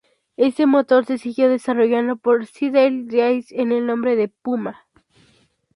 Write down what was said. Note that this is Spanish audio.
Este motor se siguió desarrollando por Siddeley-Deasy con el nombre de "Puma".